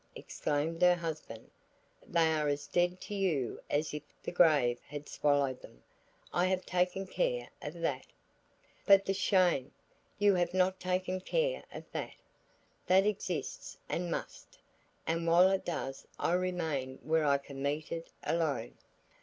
exclaimed her husband. "They are as dead to you as if the grave had swallowed them. I have taken care of that." "But the shame! you have not taken care of that. That exists and must, and while it does I remain where I can meet it alone.